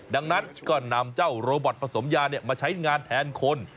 ดังนั้นก็นำเจ้าโรบอตผสมยามาใช้งานแทนคน